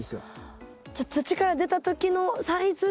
じゃあ土から出た時のサイズが。